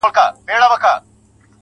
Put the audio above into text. o په خيال كي ستا سره ياري كومه.